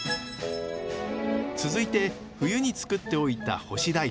続いて冬につくっておいた干し大根。